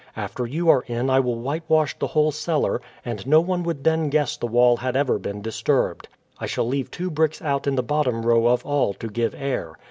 After you are in I will whitewash the whole cellar, and no one would then guess the wall had ever been disturbed. I shall leave two bricks out in the bottom row of all to give air.